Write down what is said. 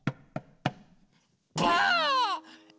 ばあっ！